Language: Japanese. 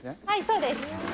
はい、そうです。